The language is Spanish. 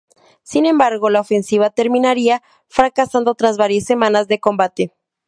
Sin embargo, la ofensiva terminaría fracasando tras varias semanas de combates.